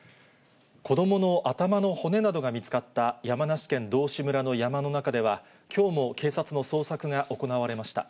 子どもの頭の骨などが見つかった山梨県道志村の山の中では、きょうも警察の捜索が行われました。